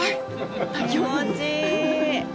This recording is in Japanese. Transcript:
気持ちいい。